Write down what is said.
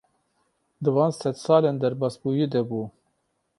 Di van sedsalên derbasbûyî de bû.